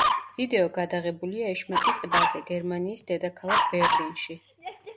ვიდეო გადაღებულია ეშმაკის ტბაზე, გერმანიის დედაქალაქ ბერლინში.